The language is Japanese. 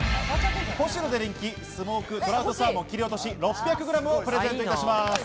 ポシュレで人気「スモークトラウトサーモン切り落とし６００ｇ」をプレゼントいたします。